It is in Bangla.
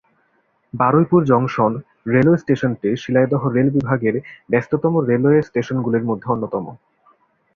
বারুইপুর জংশন রেলওয়ে স্টেশনটি শিয়ালদহ রেল বিভাগের ব্যস্ততম রেলওয়ে স্টেশনগুলির মধ্যে অন্যতম।